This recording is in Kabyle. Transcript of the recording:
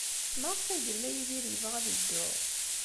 Maɣef ay yella Yidir yebɣa ad yeddu?